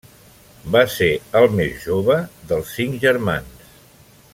Va ser el més jove dels cinc germans.